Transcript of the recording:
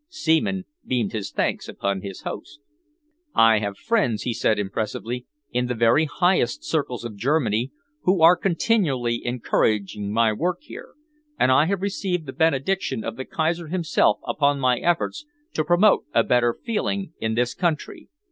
Seaman beamed his thanks upon his host. "I have friends," he said impressively, "in the very highest circles of Germany, who are continually encouraging my work here, and I have received the benediction of the Kaiser himself upon my efforts to promote a better feeling in this country.